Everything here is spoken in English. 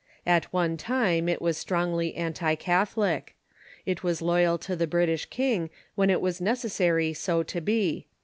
At one time it was strongly anti Catholic. It was loyal to the British king when it was nec essary so to be.